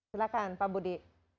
silakan pak budi